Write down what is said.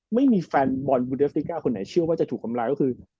ไม่มีแฟนบอลบูเดสติก้าคนไหนเชื่อว่าจะถูกทำร้ายก็คือ